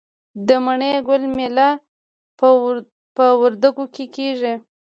د مڼې ګل میله په وردګو کې کیږي.